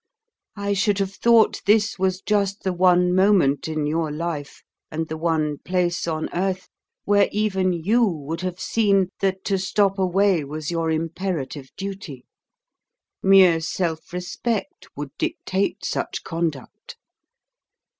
I should have thought this was just the one moment in your life and the one place on earth where even YOU would have seen that to stop away was your imperative duty. Mere self respect would dictate such conduct.